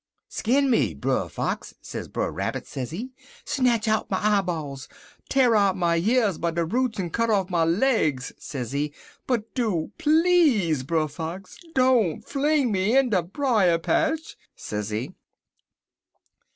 "'Skin me, Brer Fox,' sez Brer Rabbit, sezee, 'snatch out my eyeballs, t'ar out my years by de roots, en cut off my legs,' sezee, 'but do please, Brer Fox, don't fling me in dat brier patch,' sezee.